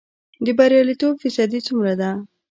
د بریالیتوب فیصدی څومره ده؟